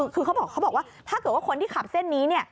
คือเขาบอกว่าถ้าเกิดว่าคนที่ขับเส้นนี้เนี่ย